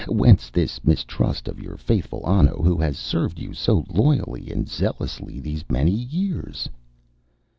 Whence this mistrust of your faithful Anno, who has served you so loyally and zealously these many years?"